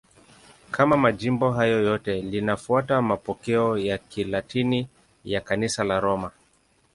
Kama majimbo hayo yote, linafuata mapokeo ya Kilatini ya Kanisa la Roma.